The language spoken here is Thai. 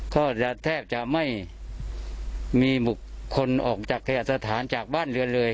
ก็จะแทบจะไม่มีบุคคลออกจากขยะสถานจากบ้านเรือนเลย